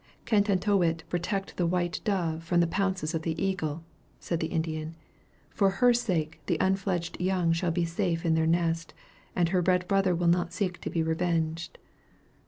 "Cantantowwit protect the white dove from the pounces of the eagle," said the Indian; "for her sake the unfledged young shall be safe in their nest, and her red brother will not seek to be revenged."